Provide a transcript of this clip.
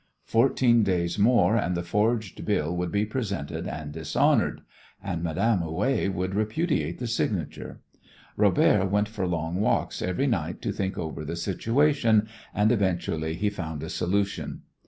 Fourteen days more and the forged bill would be presented and dishonoured, and Madame Houet would repudiate the signature. Robert went for long walks every night to think over the situation, and eventually he found a solution.